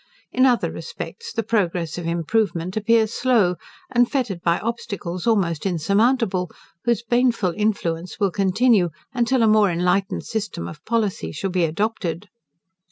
In other respects, the progress of improvement appears slow, and fettered by obstacles almost insurmountable, whose baneful influence will continue, until a more enlightened system of policy shall be adopted.